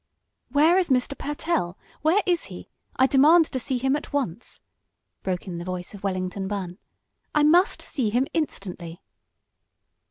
"Where is Mr. Pertell? Where is he? I demand to see him at once!" broke in the voice of Wellington Bunn. "I must see him instantly!"